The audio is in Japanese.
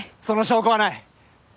その証拠はない。